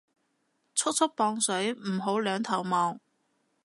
速速磅水唔好兩頭望